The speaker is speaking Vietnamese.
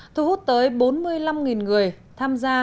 thu hút tới bốn mươi năm người tham gia